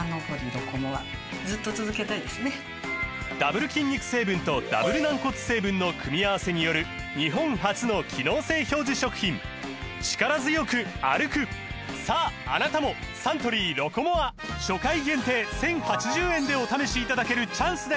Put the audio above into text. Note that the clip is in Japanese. ダブル筋肉成分とダブル軟骨成分の組み合わせによる日本初の機能性表示食品さああなたもサントリー「ロコモア」初回限定１０８０円でお試しいただけるチャンスです